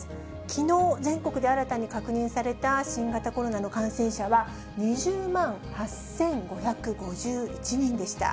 きのう、全国で新たに確認された新型コロナの感染者は、２０万８５５１人でした。